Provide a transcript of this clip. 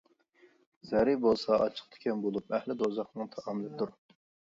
زەرى بولسا ئاچچىق تىكەن بولۇپ، ئەھلى دوزاخنىڭ تائامىدۇر.